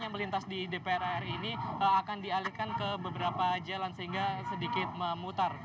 yang melintas di dpr ri ini akan dialihkan ke beberapa jalan sehingga sedikit memutar